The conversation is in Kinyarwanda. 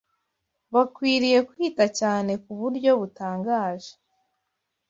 bakwiriye kwita cyane ku buryo butangaje